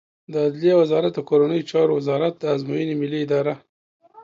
د عدلیې وزارت د کورنیو چارو وزارت، د ازموینو ملی اداره